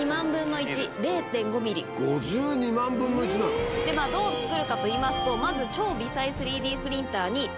５２万分の１なの⁉どう作るかといいますとまず。